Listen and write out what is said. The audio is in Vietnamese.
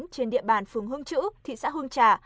trên địa bàn phường hương chữ thị xã hương trà